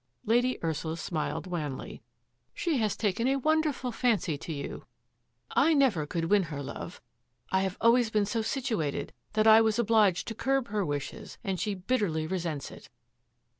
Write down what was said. Lady Ursula smiled wanly. ^She has taken a wonderful fancy to you. I never could win her love. I have always been so situated that I was obliged to curb her wishes and she bitterly resents it."